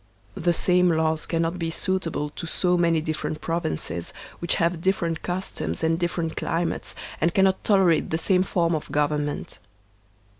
The same laws cannot be suitable to so many different provinces, which have different customs and different climates, and cannot tolerate the same form of government.